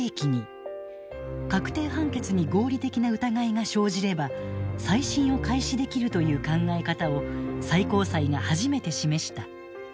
確定判決に合理的な疑いが生じれば再審を開始できるという考え方を最高裁が初めて示した。